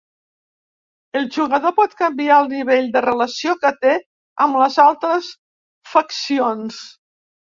El jugador pot canviar el nivell de relació que té amb les altres faccions.